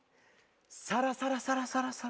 サラサラサラサラサラ。